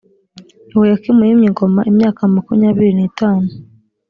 yehoyakimu yimye ingoma imyaka makumyabiri n itanu